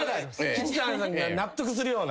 吉瀬さんが納得するような。